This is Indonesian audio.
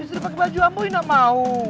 istri pakai baju ambo yang enak mau